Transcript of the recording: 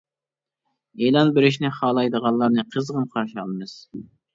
ئېلان بېرىشنى خالايدىغانلارنى قىزغىن قارشى ئالىمىز.